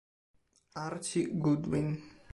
Archie Goodwin